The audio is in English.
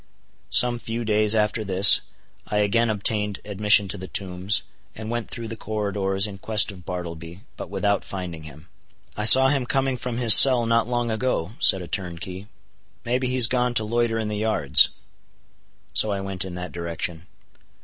Some few days after this, I again obtained admission to the Tombs, and went through the corridors in quest of Bartleby; but without finding him. "I saw him coming from his cell not long ago," said a turnkey, "may be he's gone to loiter in the yards." So I went in that direction.